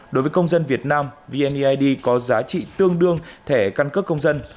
đối với công dân việt nam vnuid có giá trị tương đương thẻ căn cấp công dân